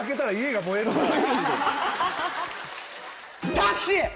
タクシー！